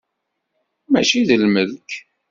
Mačči d lmelk.